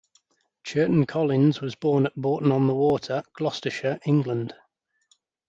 Churton Collins was born at Bourton-on-the-Water, Gloucestershire, England.